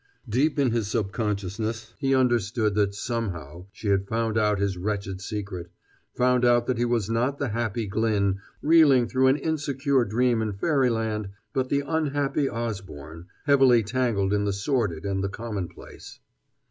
Deep in his subconsciousness he understood that somehow she had found out his wretched secret found out that he was not the happy Glyn reeling through an insecure dream in fairyland, but the unhappy Osborne, heavily tangled in the sordid and the commonplace.